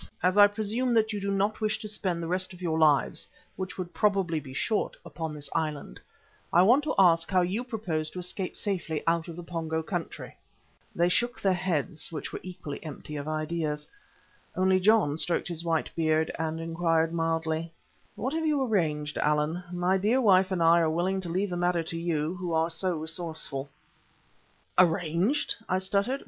Now, as I presume that you do not wish to spend the rest of your lives, which would probably be short, upon this island, I want to ask how you propose to escape safely out of the Pongo country?" They shook their heads, which were evidently empty of ideas. Only John stroked his white beard, and inquired mildly: "What have you arranged, Allan? My dear wife and I are quite willing to leave the matter to you, who are so resourceful." "Arranged!" I stuttered.